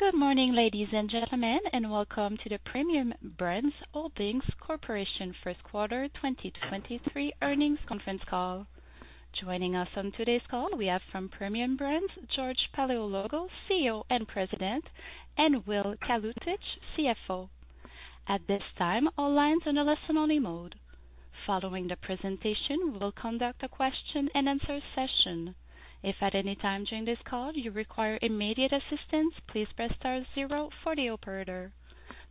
Good morning, ladies and gentlemen, and welcome to the Premium Brands Holdings Corporation First quarter 2023 earnings conference call. Joining us on today's call, we have from Premium Brands, George Paleologou, CEO and President, and Will Kalutycz, CFO. At this time, all lines on a listen-only mode. Following the presentation, we'll conduct a question-and-answer session. If at any time during this call you require immediate assistance, please press star zero for the operator.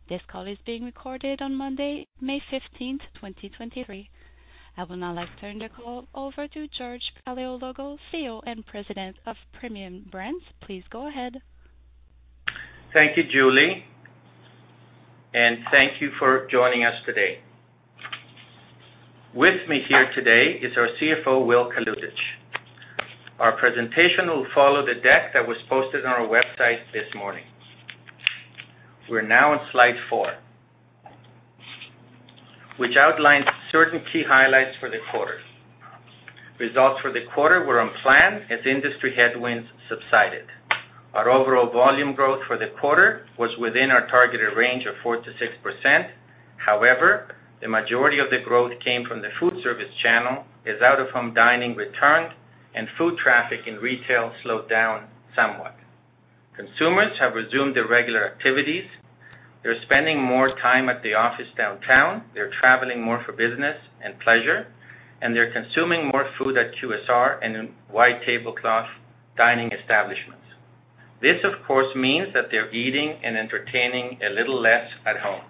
This call is being recorded on Monday, May 15th, 2023. I would now like to turn the call over to George Paleologou, CEO and President of Premium Brands. Please go ahead. Thank you, Julie. Thank you for joining us today. With me here today is our CFO, Will Kalutycz. Our presentation will follow the deck that was posted on our website this morning. We're now on slide 4, which outlines certain key highlights for the quarter. Results for the quarter were on plan as industry headwinds subsided. Our overall volume growth for the quarter was within our targeted range of 4%-6%. The majority of the growth came from the food service channel as out-of-home dining returned and food traffic in retail slowed down somewhat. Consumers have resumed their regular activities. They're spending more time at the office downtown, they're traveling more for business and pleasure, and they're consuming more food at QSR and in white tablecloth dining establishments. This, of course, means that they're eating and entertaining a little less at home.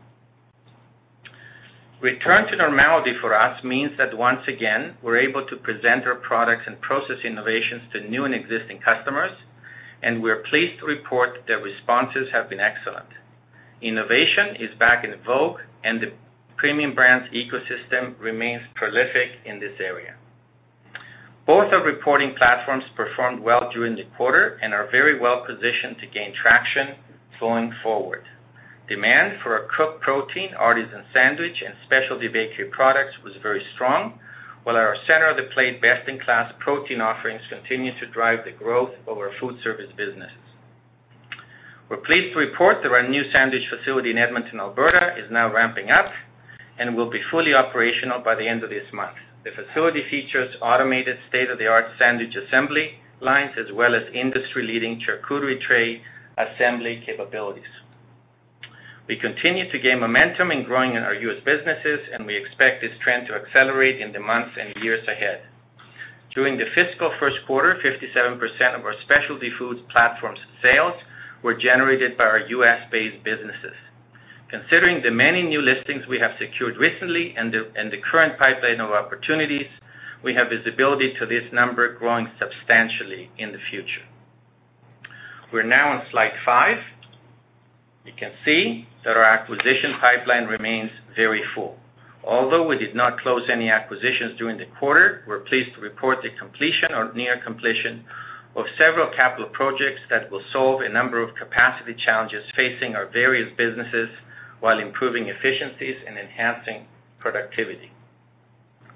Return to normality for us means that once again, we're able to present our products and process innovations to new and existing customers, and we're pleased to report their responses have been excellent. Innovation is back in vogue, and the Premium Brands ecosystem remains prolific in this area. Both our reporting platforms performed well during the quarter and are very well-positioned to gain traction going forward. Demand for our cooked protein, artisan sandwich, and specialty bakery products was very strong while our center-of-the-plate best-in-class protein offerings continue to drive the growth of our food service businesses. We're pleased to report that our new sandwich facility in Edmonton, Alberta is now ramping up and will be fully operational by the end of this month. The facility features automated state-of-the-art sandwich assembly lines as well as industry-leading charcuterie tray assembly capabilities. We continue to gain momentum in growing in our U.S. businesses, and we expect this trend to accelerate in the months and years ahead. During the fiscal first quarter, 57% of our Specialty Foods platforms sales were generated by our U.S.-based businesses. Considering the many new listings we have secured recently and the current pipeline of opportunities, we have visibility to this number growing substantially in the future. We're now on slide five. You can see that our acquisition pipeline remains very full. Although we did not close any acquisitions during the quarter, we're pleased to report the completion or near completion of several capital projects that will solve a number of capacity challenges facing our various businesses while improving efficiencies and enhancing productivity.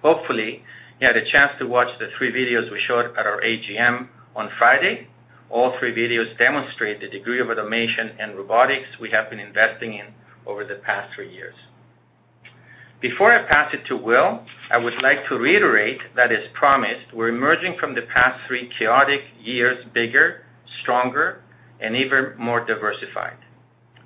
Hopefully, you had a chance to watch the three videos we showed at our AGM on Friday. All three videos demonstrate the degree of automation and robotics we have been investing in over the past three years. Before I pass it to Will, I would like to reiterate that as promised, we're emerging from the past three chaotic years bigger, stronger, and even more diversified.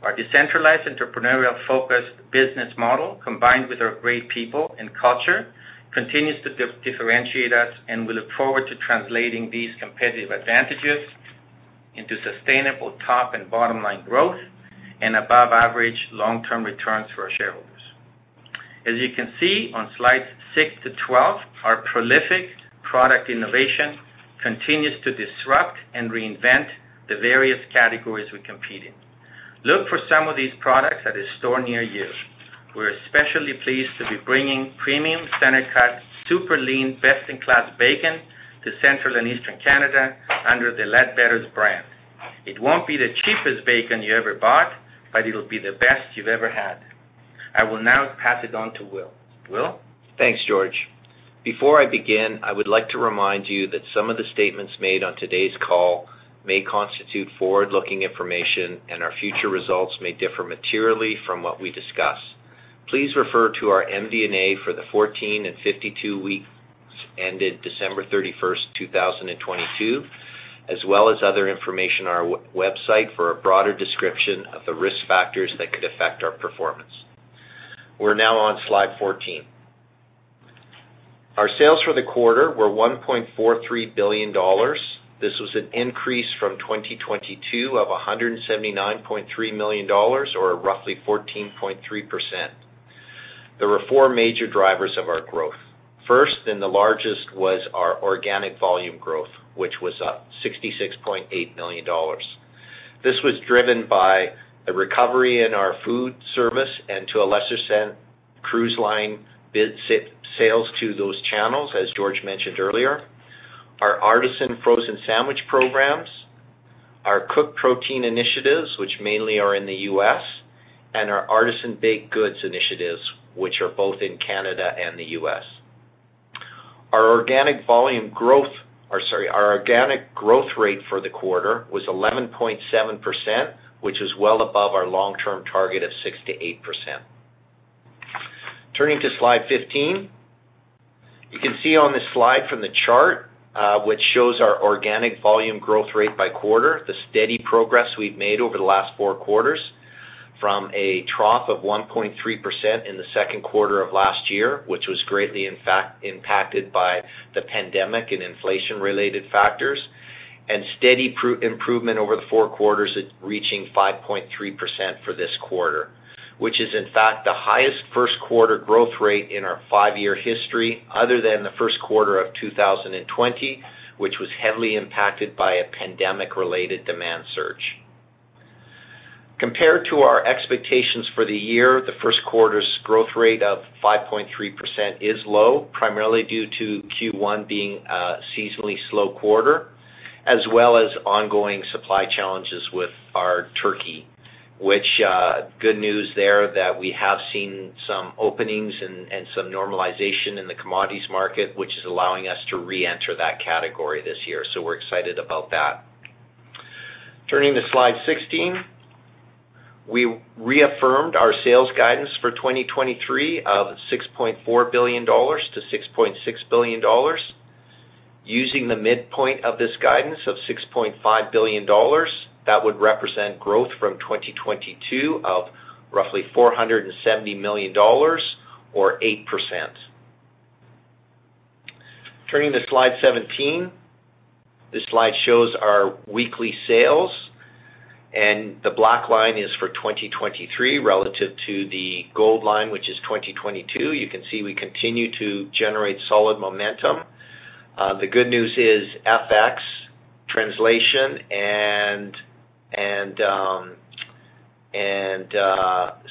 Our decentralized, entrepreneurial-focused business model, combined with our great people and culture, continues to differentiate us. We look forward to translating these competitive advantages into sustainable top and bottom line growth and above average long-term returns for our shareholders. As you can see on slides 6-12, our prolific product innovation continues to disrupt and reinvent the various categories we compete in. Look for some of these products at a store near you. We're especially pleased to be bringing premium center cut, super lean, best-in-class bacon to Central and Eastern Canada under the Leadbetter brand. It won't be the cheapest bacon you ever bought, but it'll be the best you've ever had. I will now pass it on to Will. Will? Thanks, George. Before I begin, I would like to remind you that some of the statements made on today's call may constitute forward-looking information, and our future results may differ materially from what we discuss. Please refer to our MD&A for the 14 and 52 weeks ended December 31st, 2022, as well as other information on our website for a broader description of the risk factors that could affect our performance. We're now on slide 14. Our sales for the quarter were 1.43 billion dollars. This was an increase from 2022 of 179.3 million dollars or roughly 14.3%. There were four major drivers of our growth. First, and the largest, was our organic volume growth, which was up 66.8 million dollars. This was driven by the recovery in our food service and to a lesser sense, cruise line sales to those channels, as George mentioned earlier. Our artisan frozen sandwich programs, our cooked protein initiatives, which mainly are in the U.S., and our artisan baked goods initiatives, which are both in Canada and the U.S. Or sorry, our organic growth rate for the quarter was 11.7%, which is well above our long-term target of 6%-8%. Turning to slide 15. You can see on this slide from the chart, which shows our organic volume growth rate by quarter, the steady progress we've made over the last four quarters from a trough of 1.3% in the second quarter of last year, which was greatly, in fact, impacted by the pandemic and inflation-related factors, and steady improvement over the four quarters at reaching 5.3% for this quarter, which is, in fact, the highest first quarter growth rate in our 5-year history other than the first quarter of 2020, which was heavily impacted by a pandemic-related demand search. Compared to our expectations for the year, the first quarter's growth rate of 5.3% is low, primarily due to Q1 being a seasonally slow quarter, as well as ongoing supply challenges with our turkey, which, good news there that we have seen some openings and some normalization in the commodities market, which is allowing us to reenter that category this year. We're excited about that. Turning to slide 16. We reaffirmed our sales guidance for 2023 of 6.4 billion-6.6 billion dollars. Using the midpoint of this guidance of 6.5 billion dollars, that would represent growth from 2022 of roughly 470 million dollars or 8%. Turning to slide 17. This slide shows our weekly sales, and the black line is for 2023 relative to the gold line, which is 2022. You can see we continue to generate solid momentum. The good news is FX translation and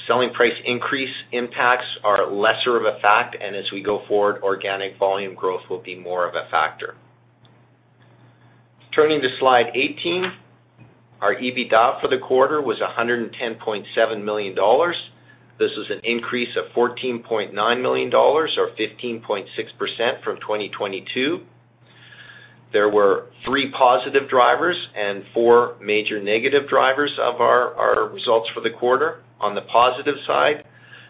selling price increase impacts are lesser of a fact, and as we go forward, organic volume growth will be more of a factor. Turning to slide 18. Our EBITDA for the quarter was 110.7 million dollars. This was an increase of 14.9 million dollars or 15.6% from 2022. There were 3 positive drivers and 4 major negative drivers of our results for the quarter. On the positive side,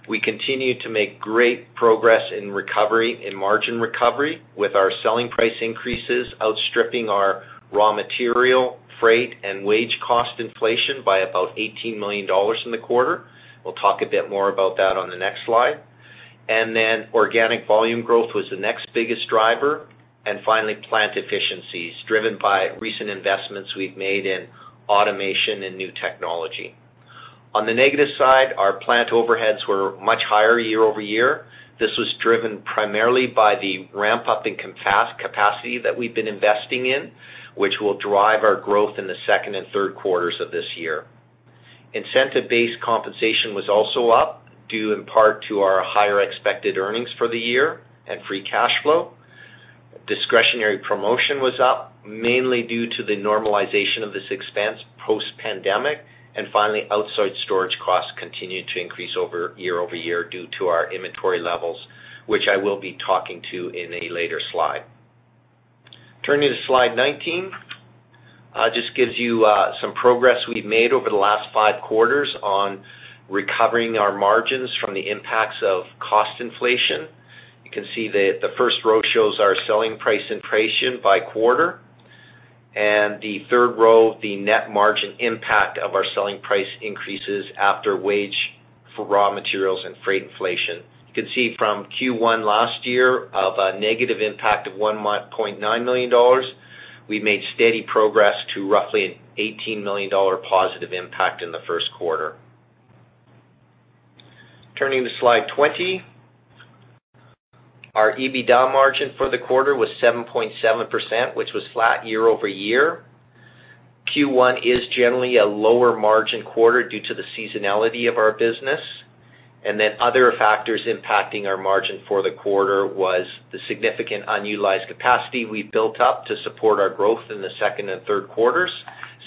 we continue to make great progress in recovery and margin recovery with our selling price increases outstripping our raw material, freight, and wage cost inflation by about 18 million dollars in the quarter. We'll talk a bit more about that on the next slide. Organic volume growth was the next biggest driver, and finally, plant efficiencies driven by recent investments we've made in automation and new technology. On the negative side, our plant overheads were much higher year-over-year. This was driven primarily by the ramp-up in capacity that we've been investing in, which will drive our growth in the second and third quarters of this year. Incentive-based compensation was also up, due in part to our higher expected earnings for the year and free cash flow. Discretionary promotion was up, mainly due to the normalization of this expense post-pandemic. Finally, outside storage costs continued to increase over year-over-year due to our inventory levels, which I will be talking to in a later slide. Turning to slide 19. Just gives you some progress we've made over the last five quarters on recovering our margins from the impacts of cost inflation. You can see the first row shows our selling price inflation by quarter, and the third row, the net margin impact of our selling price increases after wage for raw materials and freight inflation. You can see from Q1 last year of a negative impact of 1.9 million dollars, we made steady progress to roughly a 18 million dollar positive impact in the first quarter. Turning to slide 20. Our EBITDA margin for the quarter was 7.7%, which was flat year-over-year. Q1 is generally a lower margin quarter due to the seasonality of our business. Other factors impacting our margin for the quarter was the significant unutilized capacity we built up to support our growth in the second and third quarters.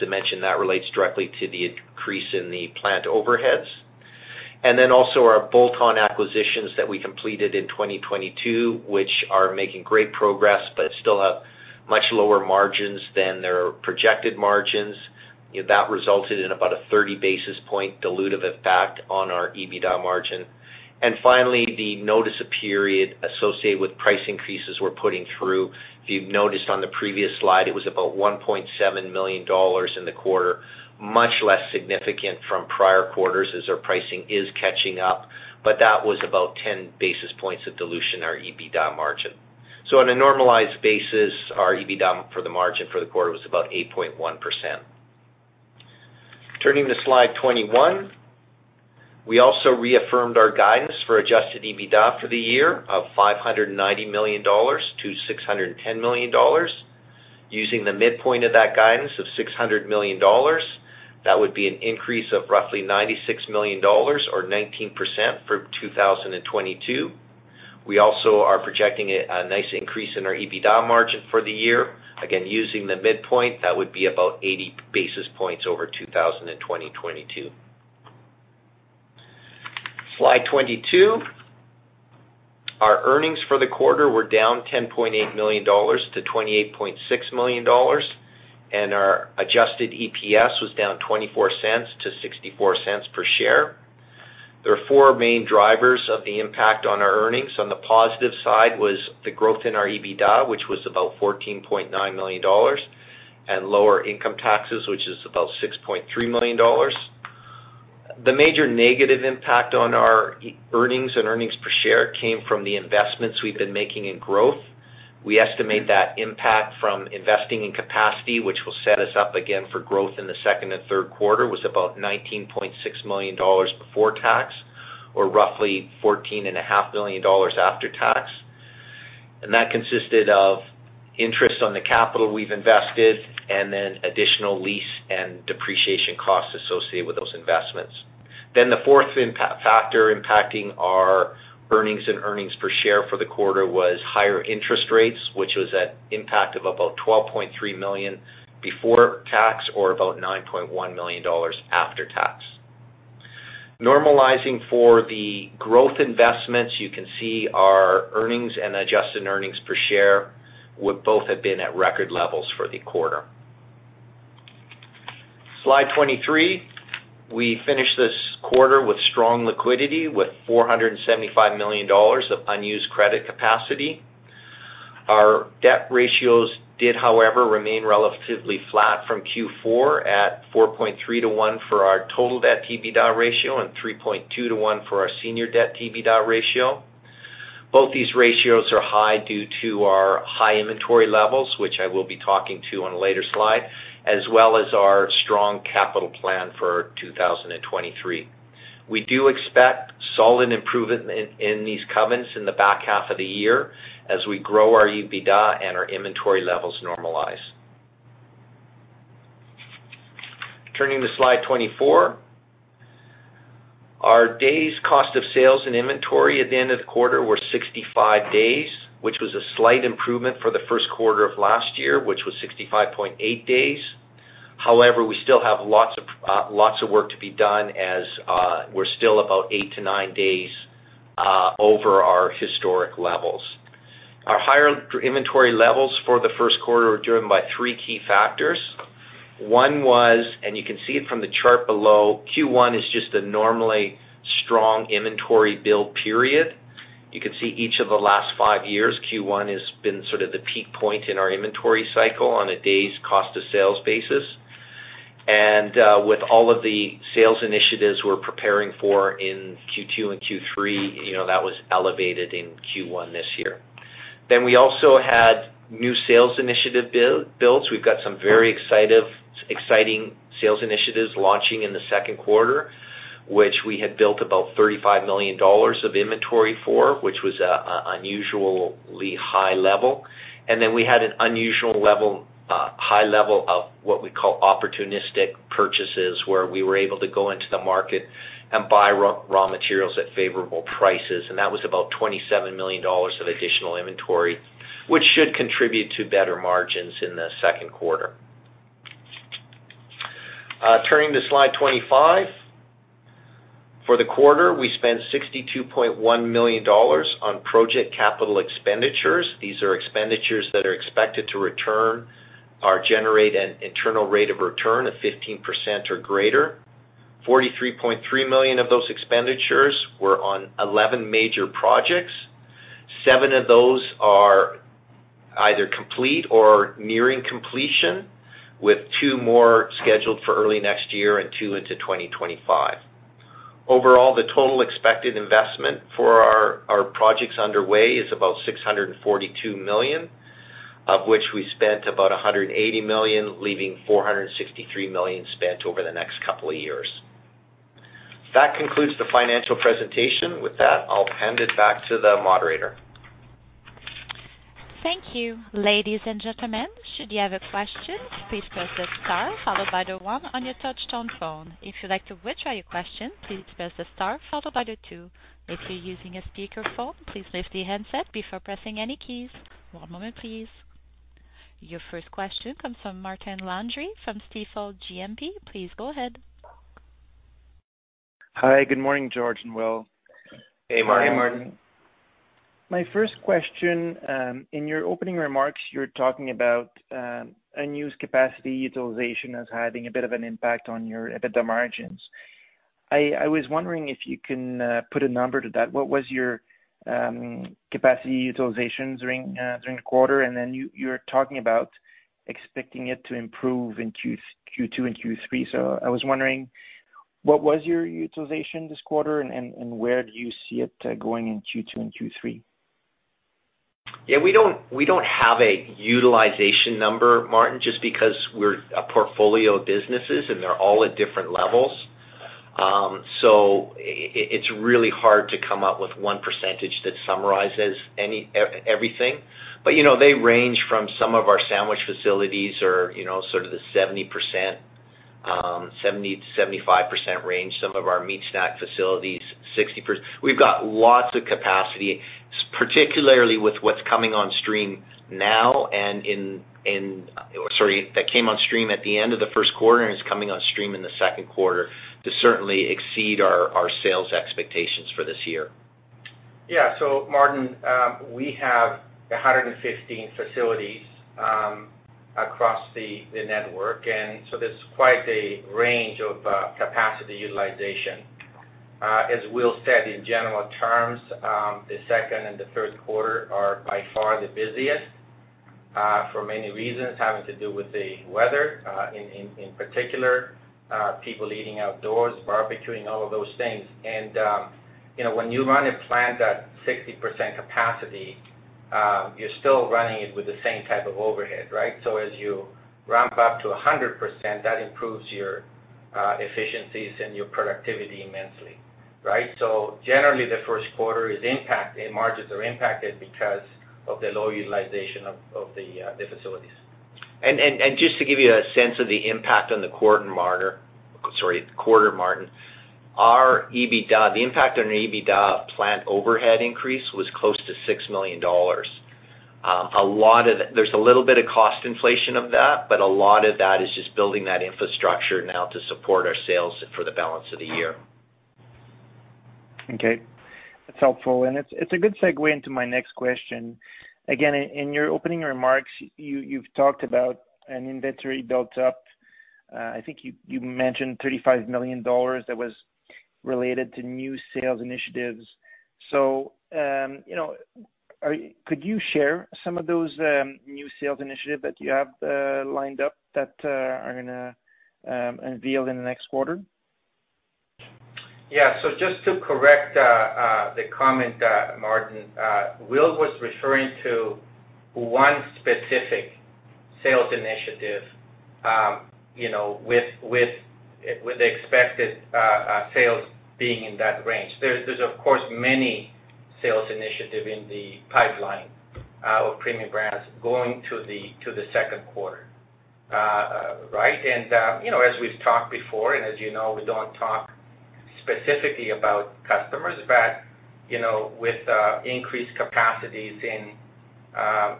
As I mentioned, that relates directly to the increase in the plant overheads. Also our bolt-on acquisitions that we completed in 2022, which are making great progress but still have much lower margins than their projected margins. That resulted in about a 30 basis point dilutive effect on our EBITDA margin. Finally, the notice of period associated with price increases we're putting through. If you've noticed on the previous slide, it was about $1.7 million in the quarter, much less significant from prior quarters as our pricing is catching up. That was about 10 basis points of dilution in our EBITDA margin. On a normalized basis, our EBITDA for the margin for the quarter was about 8.1%. Turning to slide 21. We also reaffirmed our guidance for adjusted EBITDA for the year of 590 million-610 million dollars. Using the midpoint of that guidance of 600 million dollars, that would be an increase of roughly 96 million dollars or 19% for 2022. We also are projecting a nice increase in our EBITDA margin for the year. Again, using the midpoint, that would be about 80 basis points over 2022. Slide 22. Our earnings for the quarter were down 10.8 million dollars to 28.6 million dollars, and our adjusted EPS was down 0.24-0.64 per share. There are four main drivers of the impact on our earnings. On the positive side was the growth in our EBITDA, which was about 14.9 million dollars, and lower income taxes, which is about 6.3 million dollars. The major negative impact on our earnings and earnings per share came from the investments we've been making in growth. We estimate that impact from investing in capacity, which will set us up again for growth in the second and third quarter, was about 19.6 million dollars before tax, or roughly fourteen and a half million dollars after tax. That consisted of interest on the capital we've invested and then additional lease and depreciation costs associated with those investments. The fourth factor impacting our earnings and earnings per share for the quarter was higher interest rates, which was at impact of about 12.3 million before tax or about 9.1 million dollars after tax. Normalizing for the growth investments, you can see our earnings and adjusted earnings per share would both have been at record levels for the quarter. Slide 23. We finished this quarter with strong liquidity with 475 million dollars of unused credit capacity. Our debt ratios did, however, remain relatively flat from Q4 at 4.3-1 for our total debt EBITDA ratio and 3.2-1 for our senior debt EBITDA ratio. Both these ratios are high due to our high inventory levels, which I will be talking to on a later slide, as well as our strong capital plan for 2023. We do expect solid improvement in these covenants in the back half of the year as we grow our EBITDA and our inventory levels normalize. Turning to slide 24. Our days cost of sales and inventory at the end of the quarter were 65 days, which was a slight improvement for the first quarter of last year, which was 65.8 days. However, we still have lots of work to be done as we're still about eight to nine days over our historic levels. Our higher inventory levels for the first quarter were driven by three key factors. One was, and you can see it from the chart below, Q1 is just a normally strong inventory build period. You can see each of the last five years, Q1 has been sort of the peak point in our inventory cycle on a day's cost of sales basis. With all of the sales initiatives we're preparing for in Q2 and Q3, you know, that was elevated in Q1 this year. We also had new sales initiative built. We've got some very exciting sales initiatives launching in the second quarter, which we had built about 35 million dollars of inventory for, which was a unusually high level. We had an unusual level, high level of what we call opportunistic purchases, where we were able to go into the market and buy raw materials at favorable prices. That was about 27 million dollars of additional inventory, which should contribute to better margins in the second quarter. Turning to slide 25. For the quarter, we spent 62.1 million dollars on project capital expenditures. These are expenditures that are expected to return or generate an internal rate of return of 15% or greater. 43.3 million of those expenditures were on 11 major projects. Seven of those are either complete or nearing completion, with two more scheduled for early next year and two into 2025. Overall, the total expected investment for our projects underway is about 642 million, of which we spent about 180 million, leaving 463 million spent over the next couple of years. That concludes the financial presentation. With that, I'll hand it back to the moderator. Thank you. Ladies and gentlemen, should you have a question, please press star followed by the one on your touchtone phone. If you'd like to withdraw your question, please press the star followed by the two. If you're using a speakerphone, please lift the handset before pressing any keys. One moment, please. Your first question comes from Martin Landry from Stifel GMP. Please go ahead. Hi. Good morning, George and Will. Hey, Martin. Good morning, Martin. My first question, in your opening remarks, you're talking about unused capacity utilization as having a bit of an impact on your EBITDA margins. I was wondering if you can put a number to that. What was your capacity utilization during the quarter? Then you're talking about expecting it to improve in Q2 and Q3. I was wondering what was your utilization this quarter and where do you see it going in Q2 and Q3? Yeah, we don't have a utilization number, Martin, just because we're a portfolio of businesses and they're all at different levels. It's really hard to come up with one % that summarizes everything. You know, they range from some of our sandwich facilities or, you know, sort of the 70%, 70%-75% range, some of our meat snack facilities. We've got lots of capacityParticularly with what's coming on stream now and in Sorry, that came on stream at the end of the first quarter and is coming on stream in the second quarter to certainly exceed our sales expectations for this year. Yeah. Martin, we have 115 facilities across the network, and so there's quite a range of capacity utilization. As Will said, in general terms, the second and the third quarter are by far the busiest for many reasons, having to do with the weather in, in particular, people eating outdoors, barbecuing, all of those things. You know, when you run a plant at 60% capacity, you're still running it with the same type of overhead, right? As you ramp up to 100%, that improves your efficiencies and your productivity immensely, right? Generally, the first quarter is margins are impacted because of the low utilization of the facilities. Just to give you a sense of the impact on the quarter, Martin. Our EBITDA, the impact on the EBITDA plant overhead increase was close to 6 million dollars. There's a little bit of cost inflation of that, but a lot of that is just building that infrastructure now to support our sales for the balance of the year. Okay. That's helpful. It's a good segue into my next question. Again, in your opening remarks, you've talked about an inventory built up. I think you mentioned 35 million dollars that was related to new sales initiatives. you know, could you share some of those new sales initiative that you have lined up that are gonna unveil in the next quarter? Yeah. Just to correct the comment, Martin, Will was referring to 1 specific sales initiative, you know, with the expected sales being in that range. There's of course, many sales initiative in the pipeline of Premium Brands going to the second quarter. Right? You know, as we've talked before, and as you know, we don't talk specifically about customers, but, you know, with increased capacities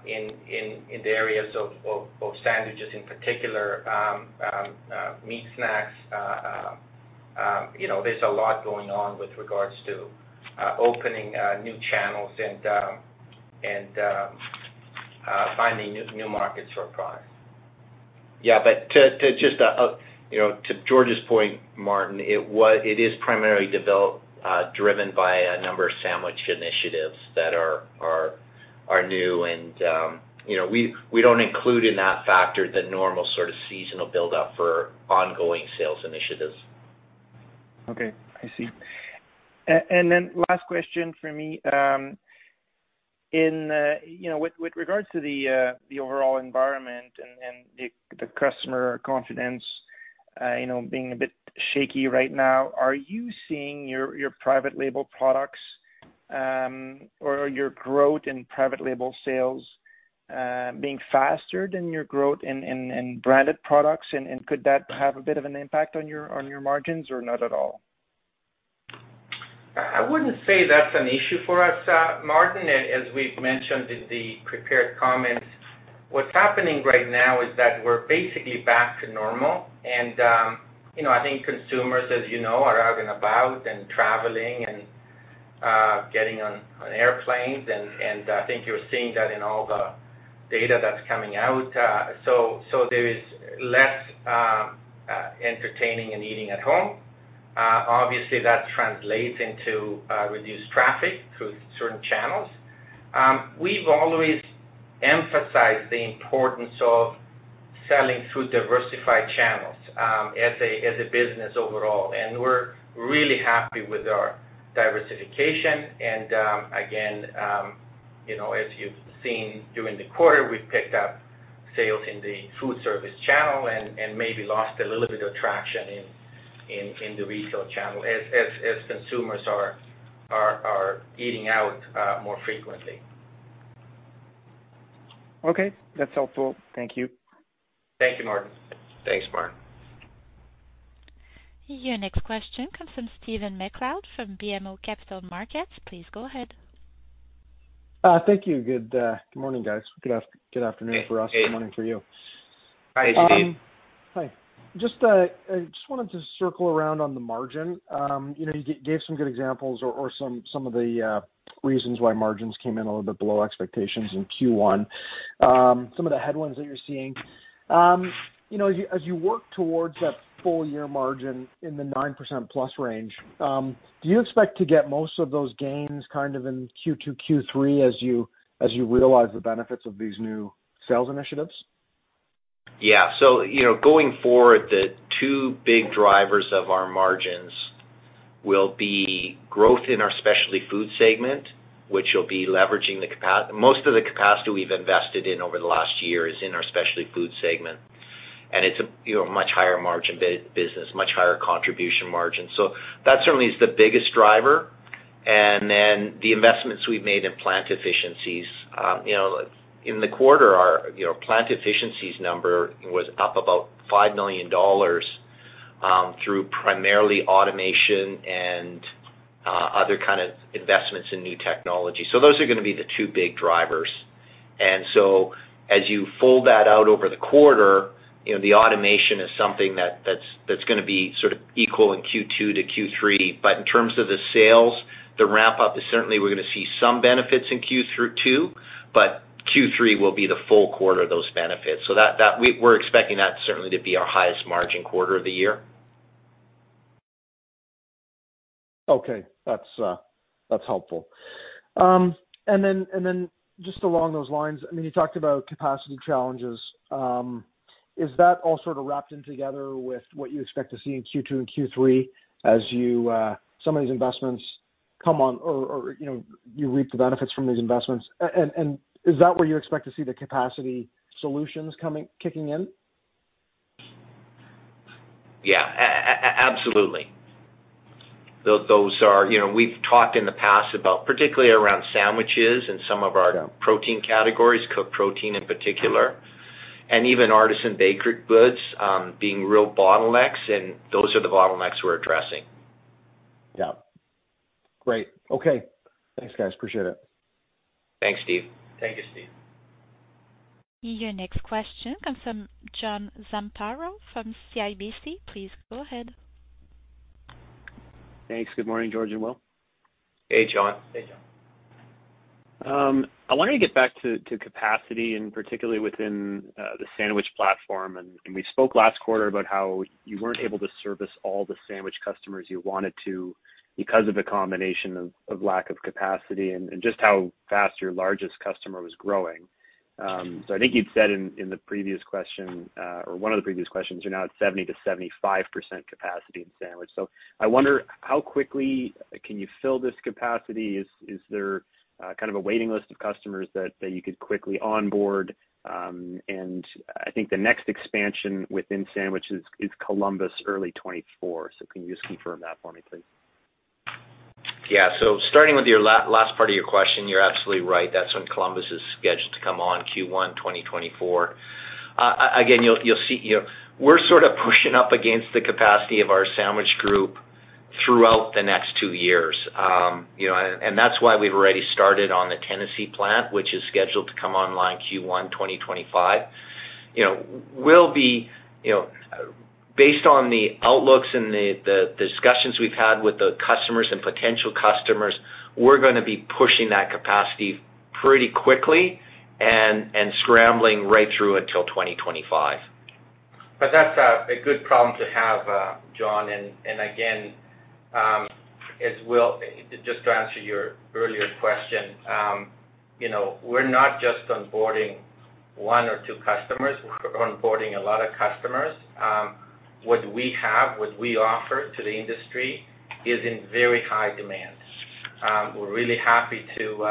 in the areas of sandwiches in particular, meat snacks, you know, there's a lot going on with regards to opening new channels and finding new markets for our products. Yeah. To just, you know, to George's point, Martin, it is primarily developed, driven by a number of sandwich initiatives that are new and, you know, we don't include in that factor the normal sort of seasonal buildup for ongoing sales initiatives. Okay. I see. Then last question for me. In, you know, with regards to the overall environment and the customer confidence, you know, being a bit shaky right now, are you seeing your private label products, or your growth in private label sales, being faster than your growth in branded products? Could that have a bit of an impact on your, on your margins or not at all? I wouldn't say that's an issue for us, Martin. As we've mentioned in the prepared comments, what's happening right now is that we're basically back to normal. you know, I think consumers, as you know, are out and about and traveling and getting on airplanes and I think you're seeing that in all the data that's coming out. So there is less entertaining and eating at home. Obviously, that translates into reduced traffic through certain channels. We've always emphasized the importance of selling through diversified channels, as a business overall, and we're really happy with our diversification and, again, you know, as you've seen during the quarter, we've picked up sales in the food service channel and maybe lost a little bit of traction in the retail channel as consumers are eating out more frequently. Okay. That's helpful. Thank you. Thank you, Martin. Thanks, Martin. Your next question comes from Stephen MacLeod from BMO Capital Markets. Please go ahead. Thank you. Good morning, guys. Good afternoon for us. Hey, Steve. Good morning for you. Hi, Steve. Hi. Just wanted to circle around on the margin. You know, you gave some good examples or some of the reasons why margins came in a little bit below expectations in Q1. Some of the headwinds that you're seeing. You know, as you work towards that full year margin in the 9% plus range, do you expect to get most of those gains kind of in Q2, Q3 as you realize the benefits of these new sales initiatives? Yeah. you know, going forward, the two big drivers of our margins will be growth in our Specialty Foods segment, which will be leveraging Most of the capacity we've invested in over the last year is in our Specialty Foods segment. It's a, you know, much higher margin business, much higher contribution margin. That certainly is the biggest driver. The investments we've made in plant efficiencies. you know, in the quarter, our, you know, plant efficiencies number was up about 5 million dollars through primarily automation and other kind of investments in new technology. Those are going to be the two big drivers. As you fold that out over the quarter, you know, the automation is something that's going to be sort of equal in Q2-Q3. In terms of the sales, the ramp up is certainly we're going to see some benefits in Q2, but Q3 will be the full quarter of those benefits. That we're expecting that certainly to be our highest margin quarter of the year. Okay. That's helpful. Then, and then just along those lines, I mean, you talked about capacity challenges. Is that all sort of wrapped in together with what you expect to see in Q2 and Q3 as you some of these investments come on or, you know, you reap the benefits from these investments? Is that where you expect to see the capacity solutions kicking in? Yeah. Absolutely. Those are, you know, we've talked in the past about particularly around sandwiches and some of our protein categories, cooked protein in particular, and even artisan bakery goods, being real bottlenecks. Those are the bottlenecks we're addressing. Yeah. Great. Okay. Thanks, guys. Appreciate it. Thanks, Steve. Thank you, Steve. Your next question comes from John Zamparo from CIBC. Please go ahead. Thanks. Good morning, George and Will. Hey, John. Hey, John. I wanted to get back to capacity and particularly within the sandwich platform. We spoke last quarter about how you weren't able to service all the sandwich customers you wanted to because of the combination of lack of capacity and just how fast your largest customer was growing. I think you'd said in the previous question or one of the previous questions, you're now at 70%-75% capacity in sandwich. I wonder how quickly can you fill this capacity. Is there kind of a waiting list of customers that you could quickly onboard? I think the next expansion within sandwiches is Columbus early 2024. Can you just confirm that for me, please? Yeah. Starting with your last part of your question, you're absolutely right. That's when Columbus is scheduled to come on Q1 2024. Again, you'll see, you know, we're sort of pushing up against the capacity of our sandwich group throughout the next two years. You know, and that's why we've already started on the Tennessee plant, which is scheduled to come online Q1 2025. You know, we'll be. Based on the outlooks and the discussions we've had with the customers and potential customers, we're gonna be pushing that capacity pretty quickly and scrambling right through until 2025. That's a good problem to have, John. Again, as Will, just to answer your earlier question, you know, we're not just onboarding one or two customers. We're onboarding a lot of customers. What we have, what we offer to the industry is in very high demand. We're really happy to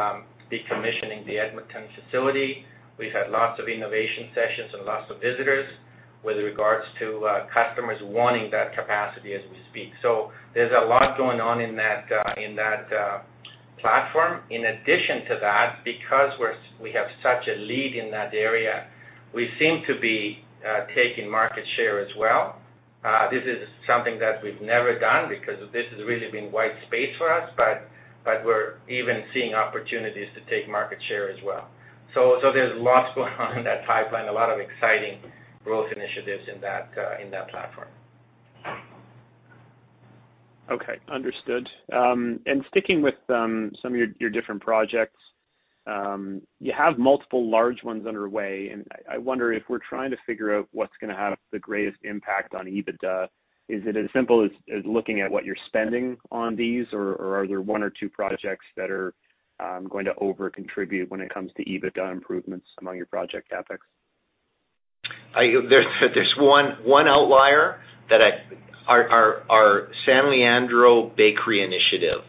be commissioning the Edmonton facility. We've had lots of innovation sessions and lots of visitors with regards to customers wanting that capacity as we speak. There's a lot going on in that, in that platform. In addition to that, because we have such a lead in that area, we seem to be taking market share as well. This is something that we've never done because this has really been white space for us, but we're even seeing opportunities to take market share as well. There's lots going on in that pipeline, a lot of exciting growth initiatives in that platform. Okay. Understood. Sticking with some of your different projects, you have multiple large ones underway, and I wonder if we're trying to figure out what's gonna have the greatest impact on EBITDA. Is it as simple as looking at what you're spending on these, or are there one or two projects that are going to over contribute when it comes to EBITDA improvements among your project CapEx? There's one outlier. Our San Leandro bakery initiative,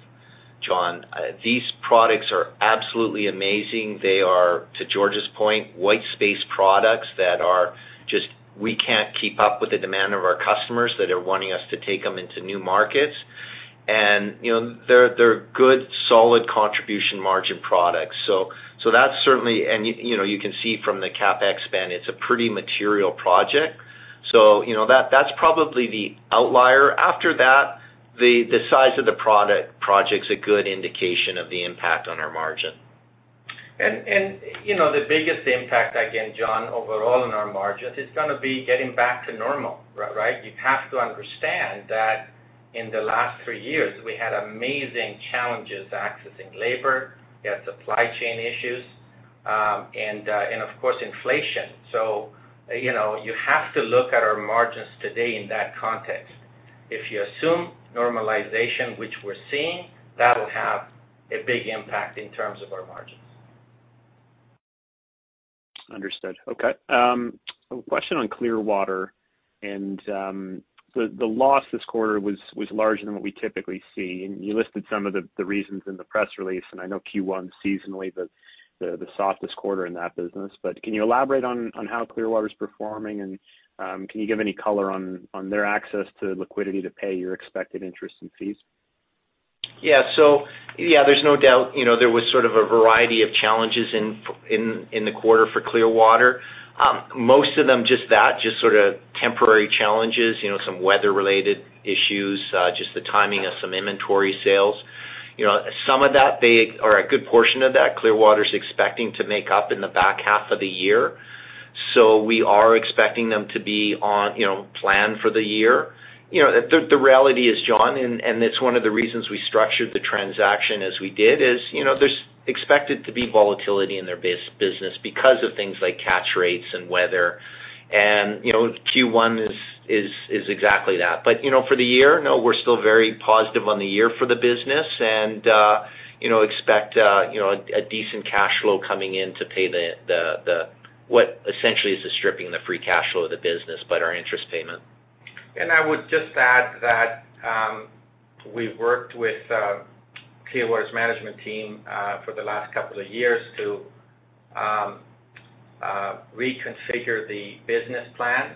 John. These products are absolutely amazing. They are, to George's point, white space products that are just we can't keep up with the demand of our customers that are wanting us to take them into new markets. You know, they're good, solid contribution margin products. That's certainly... You know, you can see from the CapEx spend, it's a pretty material project. You know, that's probably the outlier. After that, the size of the project's a good indication of the impact on our margin. You know, the biggest impact, again, John, overall on our margins is gonna be getting back to normal, right? You have to understand that in the last three years, we had amazing challenges accessing labor. We had supply chain issues, and of course, inflation. You know, you have to look at our margins today in that context. If you assume normalization, which we're seeing, that'll have a big impact in terms of our margins. Understood. Okay. A question on Clearwater, the loss this quarter was larger than what we typically see. You listed some of the reasons in the press release, and I know Q1 seasonally the softest quarter in that business. Can you elaborate on how Clearwater is performing, and can you give any color on their access to liquidity to pay your expected interest and fees? Yeah. Yeah, there's no doubt, you know, there was sort of a variety of challenges in the quarter for Clearwater. Most of them just that, just sort of temporary challenges, you know, some weather-related issues, just the timing of some inventory sales. You know, some of that a good portion of that Clearwater is expecting to make up in the back half of the year. We are expecting them to be on, you know, plan for the year. You know, the reality is, John, and it's one of the reasons we structured the transaction as we did, is, you know, there's expected to be volatility in their business because of things like catch rates and weather. You know, Q1 is exactly that. You know, for the year, no, we're still very positive on the year for the business. You know, expect, you know, a decent cash flow coming in to pay... what essentially is the stripping the free cash flow of the business, but our interest payment. I would just add that we've worked with Clearwater's management team for the last couple of years to reconfigure the business plan,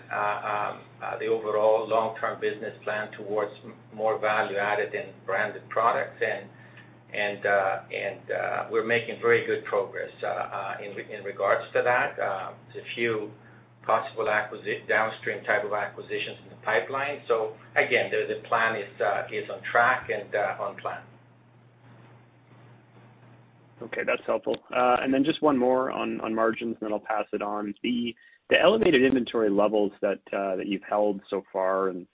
the overall long-term business plan towards more value-added and branded products. We're making very good progress in regards to that. There's a few possible downstream type of acquisitions in the pipeline. Again, the plan is on track and on plan. Okay, that's helpful. Then just one more on margins, then I'll pass it on. The elevated inventory levels that you've held so far and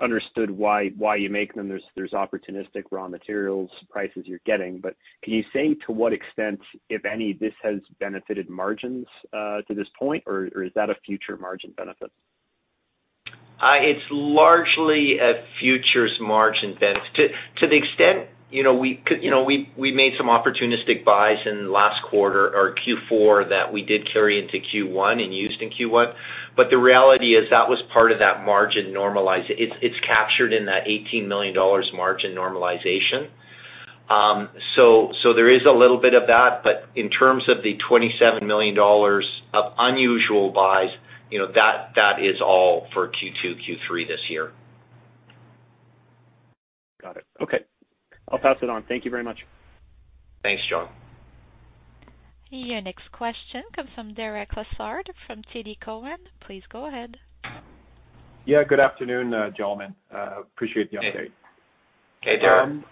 understood why you make them, there's opportunistic raw materials prices you're getting. Can you say to what extent, if any, this has benefited margins to this point, or is that a future margin benefit? It's largely a futures margin benefit. To the extent, you know, we made some opportunistic buys in last quarter or Q4 that we did carry into Q1 and used in Q1. The reality is that was part of that margin normalize. It's captured in that 18 million dollars margin normalization. There is a little bit of that, but in terms of the 27 million dollars of unusual buys, you know, that is all for Q2, Q3 this year. Got it. Okay. I'll pass it on. Thank you very much. Thanks, John. Your next question comes from Derek Lessard, from TD Cowen. Please go ahead. Yeah, good afternoon, gentlemen. Appreciate the update. Hey, Derek.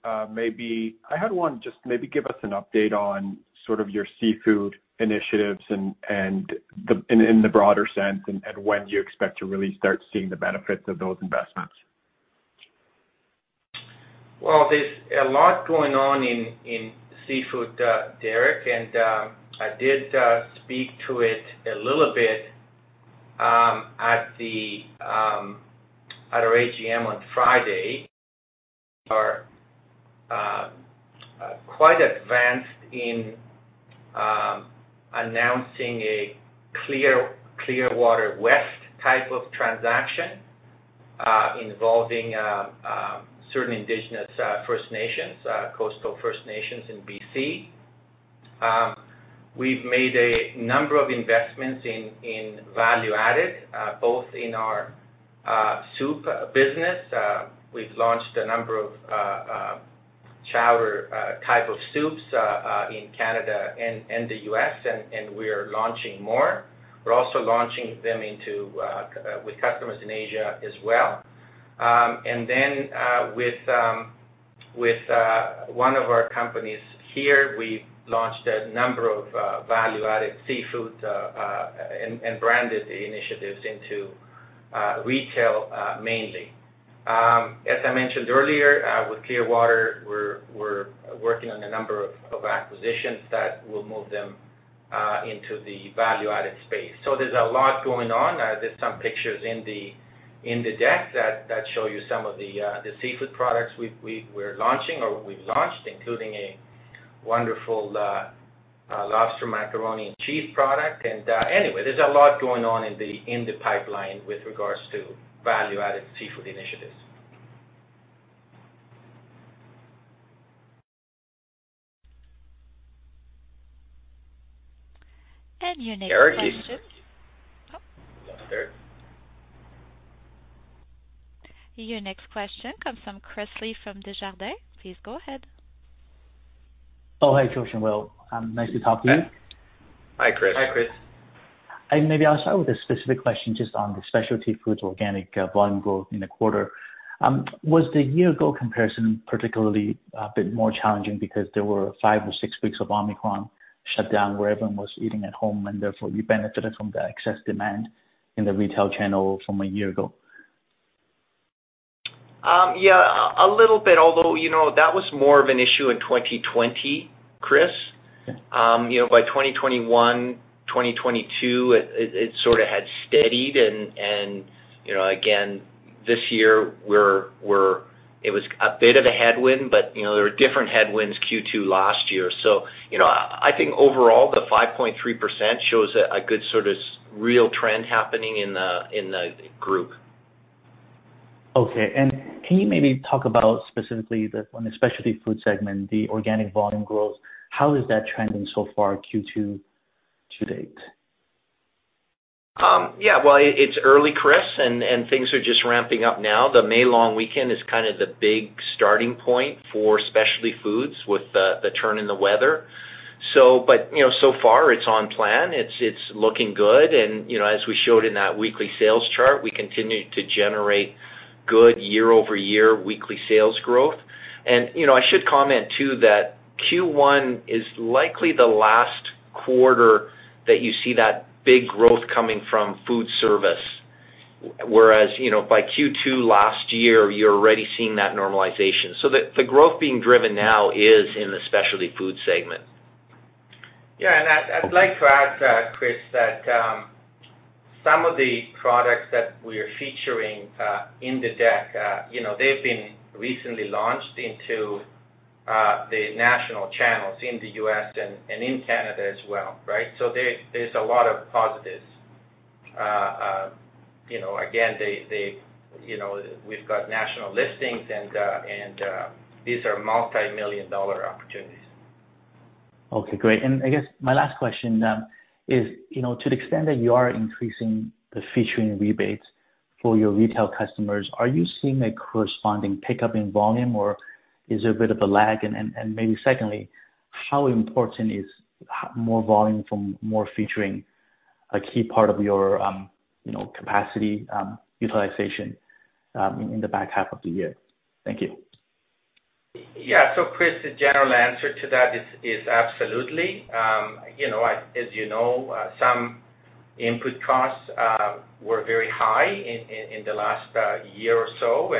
I had one just maybe give us an update on sort of your seafood initiatives and in the broader sense, and when do you expect to really start seeing the benefits of those investments? There's a lot going on in seafood, Derek. I did speak to it a little bit at the AGM on Friday. Are quite advanced in announcing a Clearwater West type of transaction involving certain indigenous First Nations, coastal First Nations in BC. We've made a number of investments in value added both in our soup business. We've launched a number of chowder type of soups in Canada and the US, and we are launching more. We're also launching them into with customers in Asia as well. With one of our companies here, we've launched a number of value-added seafood and branded initiatives into retail mainly. As I mentioned earlier, with Clearwater, we're working on a number of acquisitions that will move them into the value-added space. There's a lot going on. There's some pictures in the deck that show you some of the seafood products we're launching or we've launched, including a wonderful lobster macaroni and cheese product. Anyway, there's a lot going on in the pipeline with regards to value-added seafood initiatives. Your next question. Derek, can you hear me? Oh. Derek? Your next question comes from Christopher Li, from Desjardins. Please go ahead. Oh, hi, TJosh and Will. Nice to talk to you. Hi. Hi, Chris. I maybe I'll start with a specific question just on the Specialty Foods organic volume growth in the quarter. Was the year-ago comparison particularly a bit more challenging because there were 5 or 6 weeks of Omicron shutdown where everyone was eating at home, and therefore you benefited from the excess demand in the retail channel from a year ago? Yeah, a little bit, although, you know, that was more of an issue in 2020, Chris. You know, by 2021, 2022, it sort of had steadied and you know, again, this year we're it was a bit of a headwind, but you know, there were different headwinds Q2 last year. I think overall, the 5.3% shows a good sort of real trend happening in the, in the group. Okay. Can you maybe talk about specifically the, on the Specialty Foods segment, the organic volume growth, how is that trending so far Q2 to date? Yeah. Well, it's early, Chris, and things are just ramping up now. The May long weekend is kind of the big starting point for Specialty Foods with the turn in the weather. But, you know, so far it's on plan. It's looking good. You know, as we showed in that weekly sales chart, we continue to generate good year-over-year weekly sales growth. You know, I should comment too that Q1 is likely the last quarter that you see that big growth coming from food service. Whereas, you know, by Q2 last year, you're already seeing that normalization. The growth being driven now is in the Specialty Foods segment. Yeah. I'd like to add, Chris, that, some of the products that we are featuring, in the deck, you know, they've been recently launched into, the national channels in the U.S. and in Canada as well, right? There's a lot of positives. you know, again, they, you know, we've got national listings and, these are multimillion-dollar opportunities. Okay, great. I guess my last question, you know, to the extent that you are increasing the featuring rebates for your retail customers, are you seeing a corresponding pickup in volume, or is there a bit of a lag? Maybe secondly, how important is more volume from more featuring a key part of your, you know, capacity utilization in the back half of the year? Thank you. Chris, the general answer to that is absolutely. You know, as you know, some input costs were very high in the last year or so.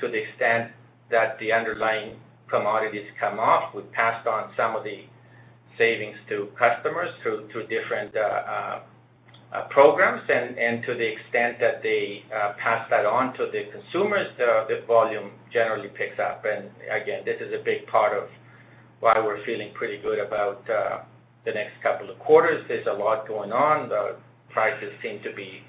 To the extent that the underlying commodities come off, we passed on some of the savings to customers through different programs. To the extent that they pass that on to the consumers, the volume generally picks up. Again, this is a big part of why we're feeling pretty good about the next couple of quarters. There's a lot going on. The prices seem to be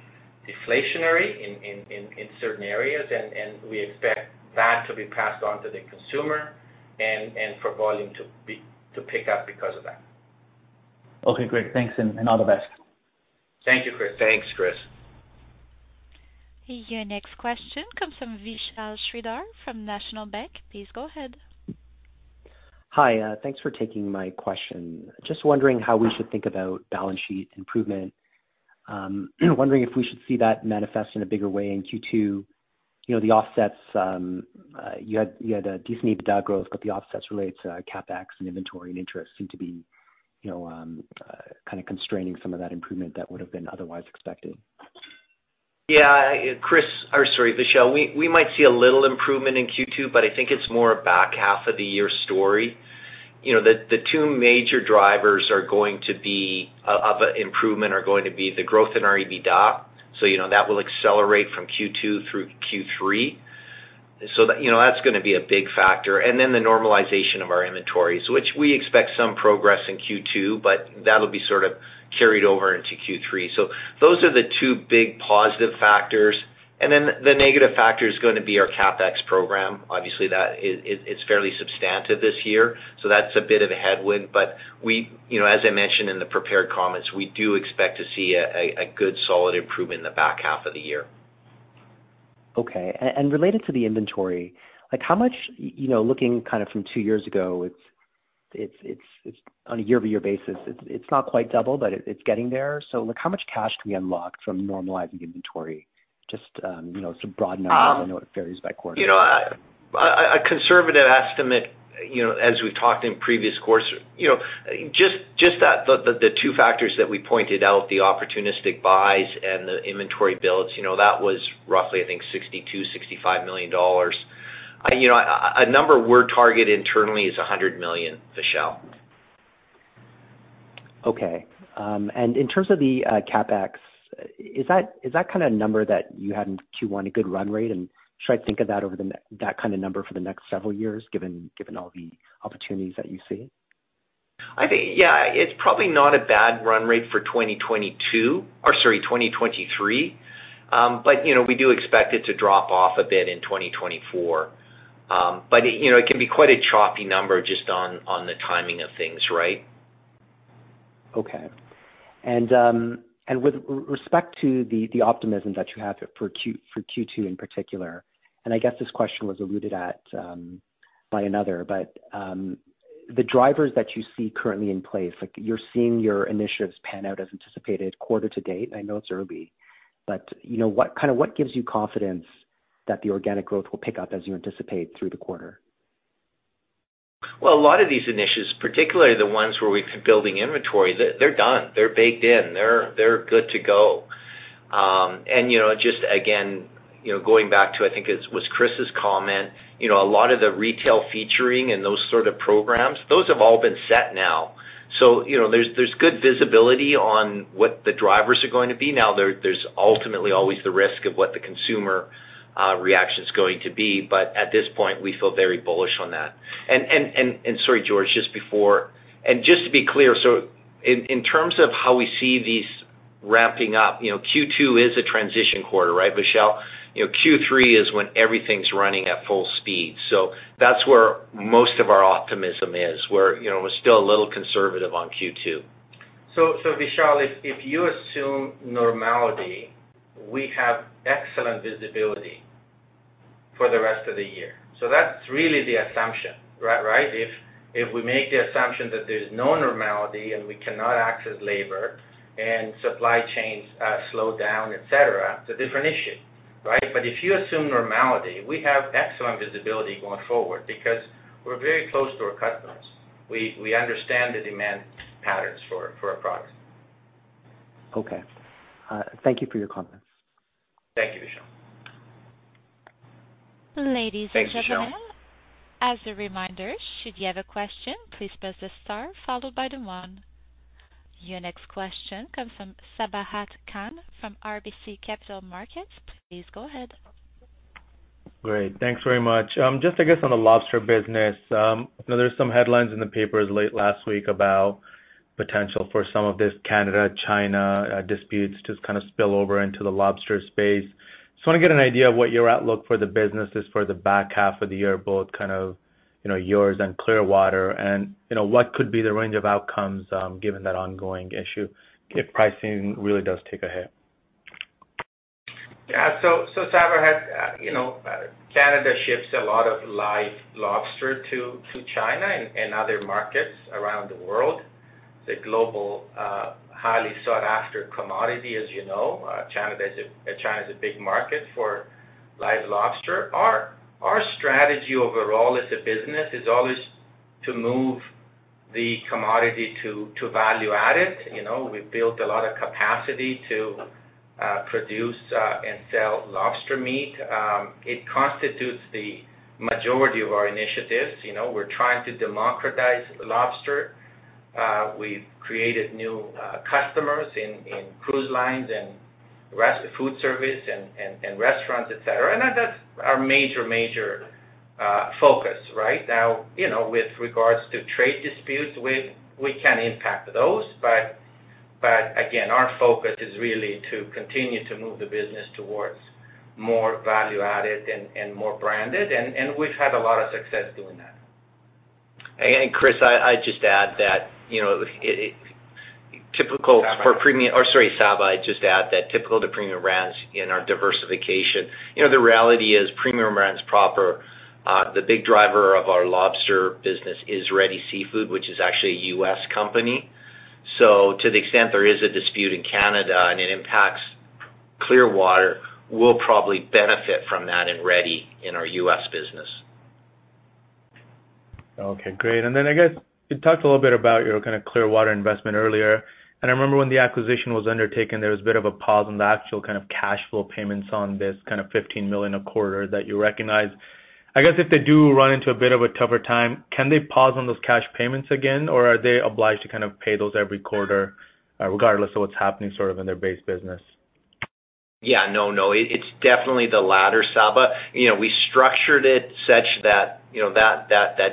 deflationary in certain areas, and we expect that to be passed on to the consumer and for volume to pick up because of that. Okay, great. Thanks, and all the best. Thank you, Chris. Thanks, Chris. Your next question comes from Vishal Shreedhar from National Bank. Please go ahead. Hi. Thanks for taking my question. Just wondering how we should think about balance sheet improvement. Wondering if we should see that manifest in a bigger way in Q2. You know, the offsets, you had a decent EBITDA growth, the offsets relates CapEx and inventory and interest seem to be, you know, kind of constraining some of that improvement that would've been otherwise expected. Yeah. Chris-- or sorry, Vishal. We might see a little improvement in Q2, but I think it's more a back half of the year story. You know, the two major drivers are going to be, of improvement are going to be the growth in our EBITDA. You know, that will accelerate from Q2 through Q3. You know, that's gonna be a big factor. Then the normalization of our inventories, which we expect some progress in Q2, but that'll be sort of carried over into Q3. Those are the two big positive factors. Then the negative factor is gonna be our CapEx program. Obviously, that is, it's fairly substantive this year, so that's a bit of a headwind. You know, as I mentioned in the prepared comments, we do expect to see a good solid improvement in the back half of the year. Okay. Related to the inventory, like how much, you know, looking kind of from two years ago, it's on a year-over-year basis. It's not quite double, but it's getting there. Like how much cash can be unlocked from normalizing inventory? Just, you know, some broad numbers. I know it varies by quarter. You know, a conservative estimate, you know, as we've talked in previous course, you know, just the two factors that we pointed out, the opportunistic buys and the inventory builds, you know, that was roughly, I think, 62 million-65 million dollars. You know, a number we're targeted internally is 100 million, Vishal. Okay. In terms of the CapEx, is that kind of number that you had in Q1 a good run rate? Should I think of that over the next several years, given all the opportunities that you see? I think, yeah, it's probably not a bad run rate for 2022 or, sorry, 2023. You know, we do expect it to drop off a bit in 2024. You know, it can be quite a choppy number just on the timing of things, right? Okay. With respect to the optimism that you have for Q2 in particular, and I guess this question was alluded at, by another, but, the drivers that you see currently in place, like you're seeing your initiatives pan out as anticipated quarter to date, and I know it's early. You know, what kind of what gives you confidence that the organic growth will pick up as you anticipate through the quarter? Well, a lot of these initiatives, particularly the ones where we've been building inventory, they're done, they're baked in, they're good to go. You know, just again, you know, going back to, I think it was Chris's comment, you know, a lot of the retail featuring and those sort of programs, those have all been set now. You know, there's good visibility on what the drivers are going to be. Now, there's ultimately always the risk of what the consumer reaction's going to be, but at this point we feel very bullish on that. Sorry, George, just before... Just to be clear, so in terms of how we see these ramping up, you know, Q2 is a transition quarter, right, Vishal? You know, Q3 is when everything's running at full speed. That's where most of our optimism is, where, you know, we're still a little conservative on Q2. Vishal, if you assume normality, we have excellent visibility for the rest of the year. That's really the assumption, right? If we make the assumption that there's no normality and we cannot access labor and supply chains slow down, et cetera, it's a different issue, right? If you assume normality, we have excellent visibility going forward because we're very close to our customers. We understand the demand patterns for our products. Okay. Thank you for your comments. Thank you, Vishal. Ladies and gentlemen. Thanks, Vishal. As a reminder, should you have a question, please press the star followed by the one. Your next question comes from Sabahat Khan from RBC Capital Markets. Please go ahead. Great. Thanks very much. Just I guess on the lobster business. I know there's some headlines in the papers late last week about potential for some of this Canada-China disputes to kind of spill over into the lobster space. Just wanna get an idea of what your outlook for the business is for the back half of the year, both kind of, you know, yours and Clearwater, and, you know, what could be the range of outcomes, given that ongoing issue if pricing really does take a hit. Yeah. So, Sabahat, you know, Canada ships a lot of live lobster to China and other markets around the world. It's a global, highly sought after commodity, as you know. China is a big market for live lobster. Our strategy overall as a business is always to move the commodity to value add it. You know, we've built a lot of capacity to produce and sell lobster meat. It constitutes the majority of our initiatives. You know, we're trying to democratize lobster. We've created new customers in cruise lines and food service and restaurants, et cetera. That's our major focus, right? Now, you know, with regards to trade disputes, we can impact those. Again, our focus is really to continue to move the business towards more value added and more branded and we've had a lot of success doing that. Chris, I just add that, you know, Typical. Sabahad. Sabahat. Just add that typical to Premium Brands in our diversification. You know, the reality is Premium Brands proper, the big driver of our lobster business is Ready Seafood, which is actually a US company. To the extent there is a dispute in Canada and it impacts Clearwater, we'll probably benefit from that in Ready in our US business. Okay, great. I guess you talked a little bit about your kind of Clearwater investment earlier. I remember when the acquisition was undertaken, there was a bit of a pause on the actual kind of cash flow payments on this kind of $15 million a quarter that you recognized. I guess if they do run into a bit of a tougher time, can they pause on those cash payments again, or are they obliged to kind of pay those every quarter, regardless of what's happening sort of in their base business? Yeah. No, no. It's definitely the latter, Sabahat. You know, we structured it such that, you know, that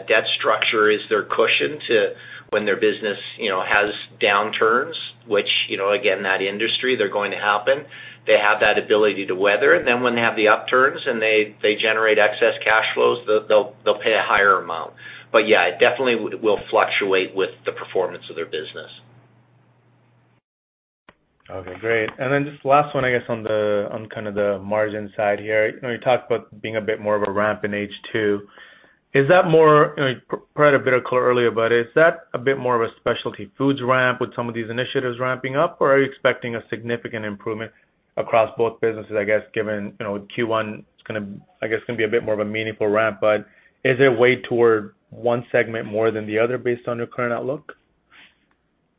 debt structure is their cushion to when their business, you know, has downturns, which, you know, again, that industry they're going to happen. They have that ability to weather it. When they have the upturns and they generate excess cash flows, they'll pay a higher amount. Yeah, it definitely will fluctuate with the performance of their business. Okay, great. Just last one, I guess on kind of the margin side here. I know you talked about being a bit more of a ramp in H2. Is that more, you know, provide a bit of color earlier, but is that a bit more of a Specialty Foods ramp with some of these initiatives ramping up, or are you expecting a significant improvement across both businesses? I guess, given, you know, Q1, it's gonna be a bit more of a meaningful ramp, but is it weighed toward one segment more than the other based on your current outlook?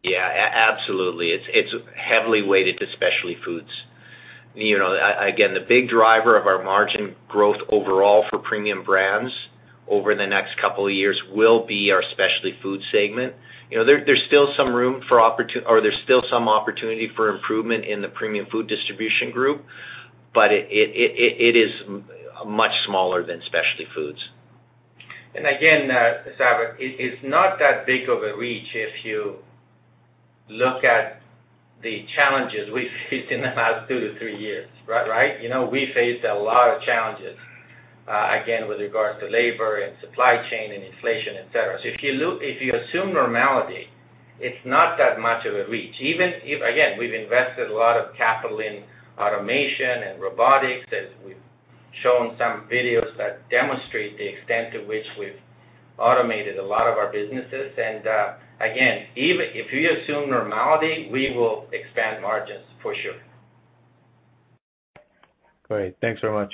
Yeah. Absolutely. It's heavily weighted to Specialty Foods. You know, again, the big driver of our margin growth overall for Premium Brands over the next couple of years will be our Specialty Foods segment. You know, there's still some room for opportunity for improvement in the Premium Food Distribution group, but it is much smaller than Specialty Foods. Again, Sabahat, it's not that big of a reach if you look at the challenges we faced in the last two to three years, right? You know, we faced a lot of challenges, again, with regards to labor and supply chain and inflation, et cetera. If you assume normality, it's not that much of a reach. Even if, again, we've invested a lot of capital in automation and robotics, as we've shown some videos that demonstrate the extent to which we've automated a lot of our businesses. Again, even if you assume normality, we will expand margins for sure. Great. Thanks very much.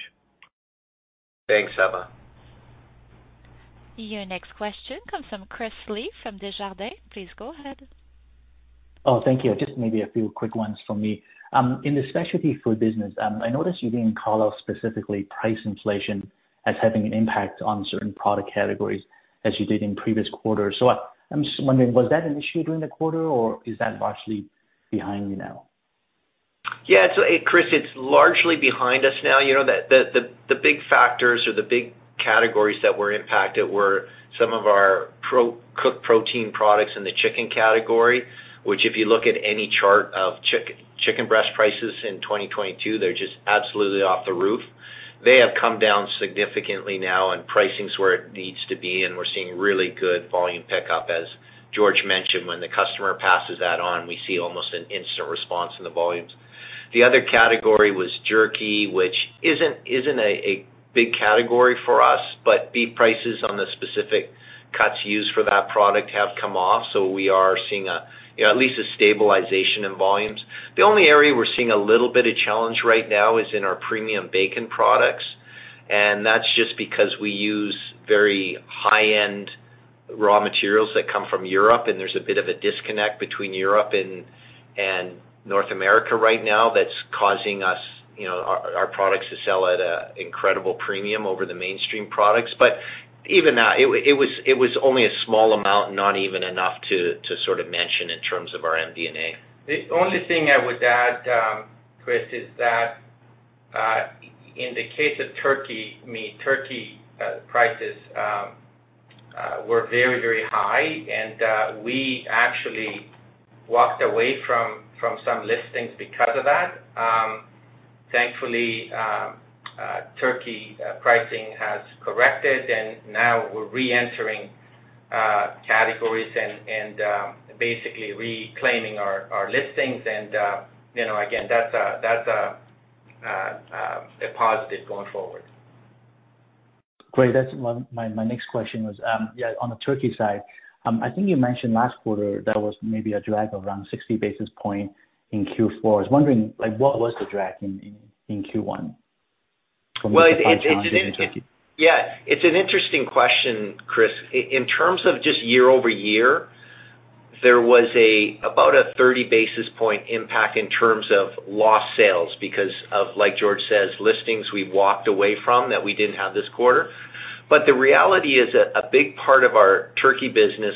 Thanks, Sabahat. Your next question comes from Christopher Li from Desjardins. Please go ahead. Thank you. Just maybe a few quick ones from me. In the specialty food business, I noticed you didn't call out specifically price inflation as having an impact on certain product categories as you did in previous quarters. I'm just wondering, was that an issue during the quarter or is that largely behind you now? Yeah. Chris, it's largely behind us now. You know, the big factors or the big categories that were impacted were some of our precooked protein products in the chicken category, which if you look at any chart of chicken breast prices in 2022, they're just absolutely off the roof. They have come down significantly now, and pricing's where it needs to be, and we're seeing really good volume pickup as George mentioned, when the customer passes that on, we see almost an instant response in the volumes. The other category was jerky, which isn't a big category for us, but beef prices on the specific cuts used for that product have come off. We are seeing a, you know, at least a stabilization in volumes. The only area we're seeing a little bit of challenge right now is in our premium bacon products. That's just because we use very high-end raw materials that come from Europe, and there's a bit of a disconnect between Europe and North America right now that's causing us, you know, our products to sell at a incredible premium over the mainstream products. Even now, it was only a small amount, not even enough to sort of mention in terms of our MD&A. The only thing I would add, Chris, is that, in the case of turkey meat, turkey prices, were very, very high, and we actually walked away from some listings because of that. Thankfully, turkey pricing has corrected, and now we're re-entering categories and, basically reclaiming our listings. You know, again, that's a positive going forward. Great. That's my next question was, yeah, on the turkey side. I think you mentioned last quarter there was maybe a drag around 60 basis point in Q4. I was wondering, like what was the drag in Q1 from a supply challenge in turkey? Well, Yeah. It's an interesting question, Chris. In terms of just year-over-year, there was a, about a 30 basis point impact in terms of lost sales because of, like George says, listings we walked away from that we didn't have this quarter. The reality is a big part of our turkey business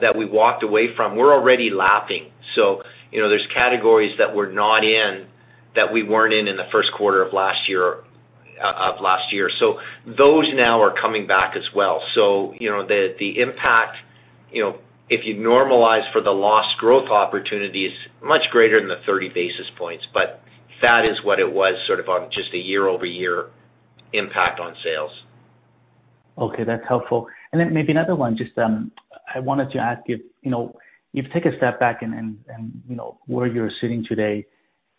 that we walked away from, we're already lapping. You know, there's categories that we're not in, that we weren't in the first quarter of last year, of last year. Those now are coming back as well. You know, the impact, you know, if you normalize for the lost growth opportunities, much greater than the 30 basis points, but that is what it was sort of on just a year-over-year impact on sales. Okay. That's helpful. Maybe another one. Just, I wanted to ask you know, if you take a step back and, you know, where you're sitting today,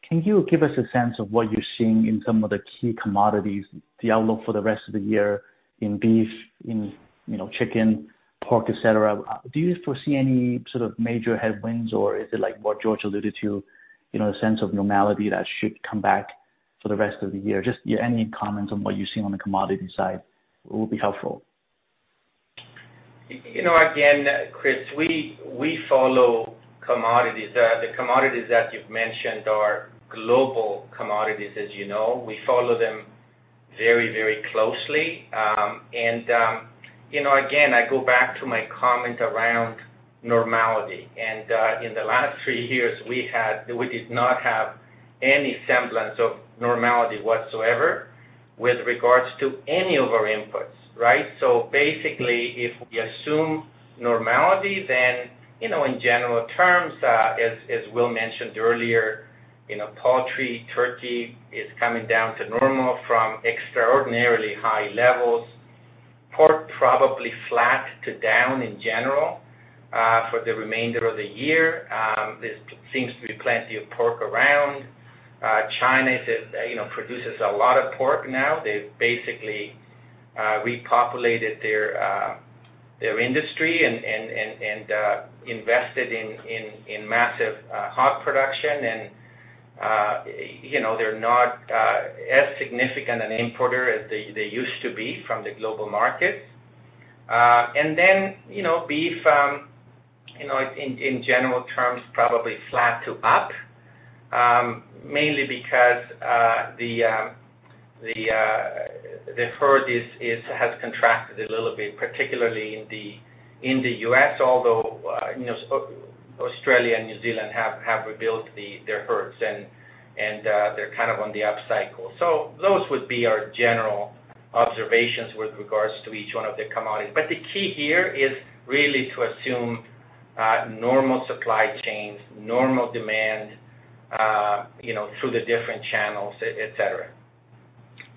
can you give us a sense of what you're seeing in some of the key commodities, the outlook for the rest of the year in beef, in, you know, chicken, pork, et cetera? Do you foresee any sort of major headwinds or is it like what George alluded to, you know, a sense of normality that should come back for the rest of the year? Just any comments on what you're seeing on the commodity side will be helpful. You know, again, Chris, we follow commodities. The commodities that you've mentioned are global commodities, as you know. We follow them very, very closely. You know, again, I go back to my comment around normality. In the last three years, we did not have any semblance of normality whatsoever with regards to any of our inputs, right? Basically, if we assume normality, you know, in general terms, as Will mentioned earlier, you know, poultry, turkey is coming down to normal from extraordinarily high levels. Pork probably flat to down in general for the remainder of the year. There seems to be plenty of pork around. China is, you know, produces a lot of pork now. They've basically repopulated their industry and invested in massive hog production. You know, they're not as significant an importer as they used to be from the global markets. Then, you know, beef, you know, in general terms, probably flat to up, mainly because the herd has contracted a little bit, particularly in the U.S., although, you know, Australia and New Zealand have rebuilt their herds and they're kind of on the upcycle. Those would be our general observations with regards to each one of the commodities. The key here is really to assume normal supply chains, normal demand, you know, through the different channels, et cetera.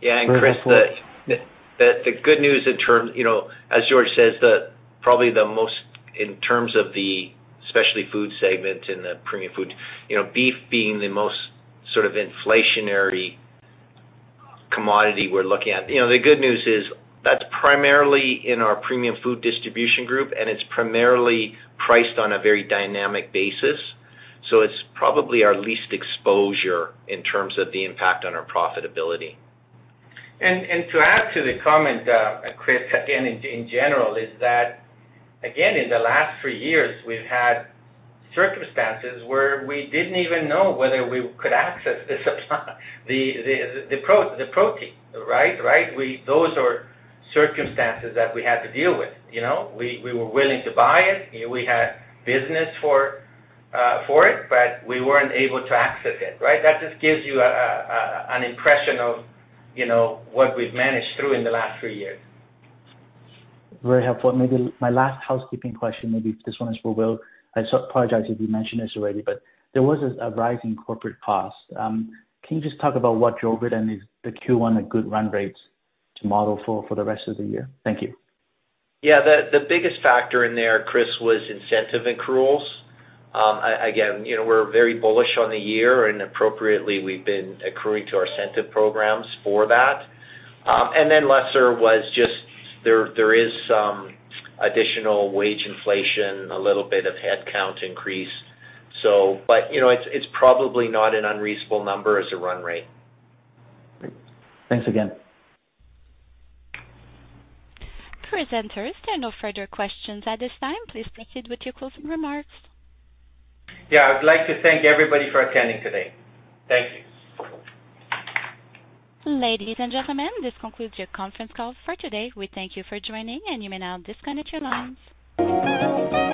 Yeah. Chris, the good news in term, you know, as George says, the, probably the most in terms of the Specialty Foods segment, in the premium food, you know, beef being the most sort of inflationary commodity we're looking at. You know, the good news is that's primarily in our Premium Food Distribution group, and it's primarily priced on a very dynamic basis. It's probably our least exposure in terms of the impact on our profitability. To add to the comment, Chris, again, in general, is that again, in the last 3 years, we've had circumstances where we didn't even know whether we could access the supply, the protein, right? Right? Those are circumstances that we had to deal with, you know. We, we were willing to buy it, we had business for it, but we weren't able to access it, right? That just gives you an impression of, you know, what we've managed through in the last 3 years. Very helpful. Maybe my last housekeeping question, maybe this one is for Will. I apologize if you mentioned this already, but there was a rise in corporate costs. Can you just talk about what drove it and is the Q1 a good run rates to model for the rest of the year? Thank you. Yeah. The biggest factor in there, Chris, was incentive accruals. again, you know, we're very bullish on the year and appropriately, we've been accruing to our incentive programs for that. lesser was just there is some additional wage inflation, a little bit of headcount increase. but, you know, it's probably not an unreasonable number as a run rate. Great. Thanks again. Presenters, there are no further questions at this time. Please proceed with your closing remarks. Yeah. I'd like to thank everybody for attending today. Thank you. Ladies and gentlemen, this concludes your conference call for today. We thank you for joining, and you may now disconnect your lines.